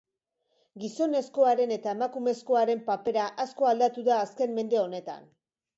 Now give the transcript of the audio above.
Gizonezkoaren eta emakumezkoaren papera asko aldatu da azken mende honetan.